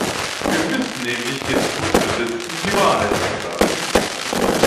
Wir müssen nämlich den Mut besitzen, die Wahrheit zu sagen.